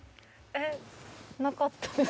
えっ、なかったです。